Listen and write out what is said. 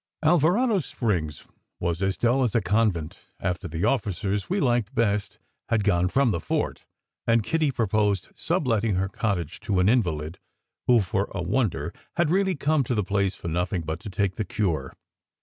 Alvarado Springs was as dull as a convent after the officers we liked best had gone from the fort, and Kitty proposed subletting her cottage to an invalid who, for a wonder, had really come to the place for nothing but to take the cure.